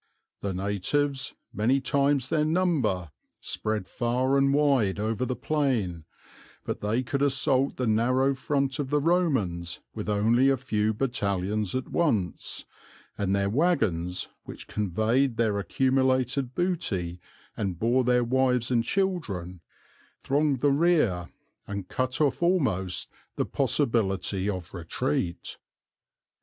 The natives, many times their number, spread far and wide over the plain; but they could assault the narrow front of the Romans with only few battalions at once, and their wagons, which conveyed their accumulated booty and bore their wives and children, thronged the rear, and cut off almost the possibility of retreat."